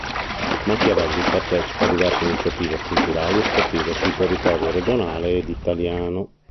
Machiavelli” partecipa a diverse iniziative culturali e sportive sul territorio regionale ed italiano.